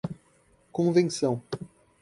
convenção